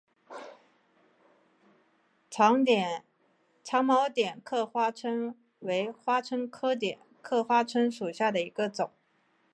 长毛点刻花蝽为花蝽科点刻花椿属下的一个种。